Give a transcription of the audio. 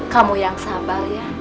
kamu yang sabar ya